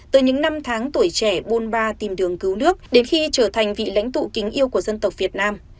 từ những năm tháng tuổi trẻ bôn ba tìm đường cứu nước đến khi trở thành vị lãnh tụ kính yêu của dân tộc việt nam